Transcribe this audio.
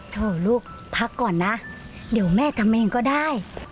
โถลูกพักก่อนนะเดี๋ยวแม่ทำเองก็ได้